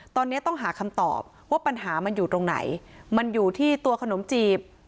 ตอนนี้ต้องหาคำตอบว่าปัญหามันอยู่ตรงไหนมันอยู่ที่ตัวขนมจีบ